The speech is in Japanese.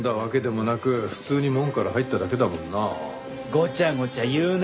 ごちゃごちゃ言うな。